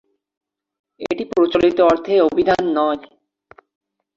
এটি প্রচলিত অর্থে অভিধান নয়।